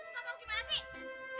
kamu gimana sih